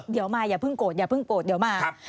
เดี๋ยวมาอย่าเพิ่งโกรธเดี๋ยวมา